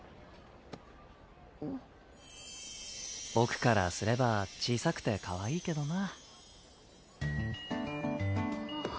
僕からすれば小さくてかわいいけどな。